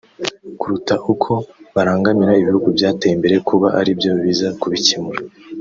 kuruta uko barangamira ibihugu byateye imbere kuba aribyo biza kubicyemura